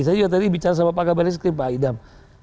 saya juga tadi bicara sama pak kabar eskrim pak idam